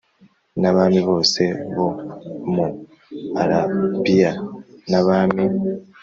N abami bose bo mu arabiya n abami